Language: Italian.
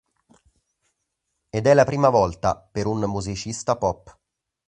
Ed è la prima volta per un musicista pop..